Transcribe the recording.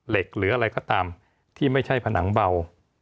หรืออะไรก็ตามที่ไม่ใช่ผนังเบา